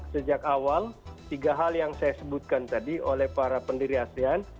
sejak awal tiga hal yang saya sebutkan tadi oleh para pendiri asean